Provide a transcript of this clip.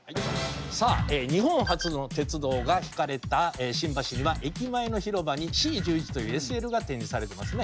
日本初の鉄道が敷かれた新橋には駅前の広場にＣ１１というＳＬが展示されてますね。